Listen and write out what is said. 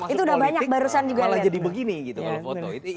itu masuk politik malah jadi begini gitu kalau foto